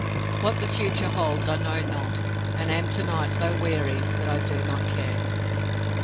What the future holds I know not, and am tonight so Weary that I do not care.